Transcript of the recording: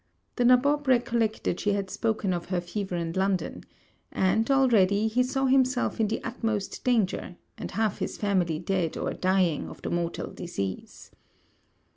The nabob recollected she had spoken of her fever in London; and, already, he saw himself in the utmost danger, and half his family dead or dying of the mortal disease.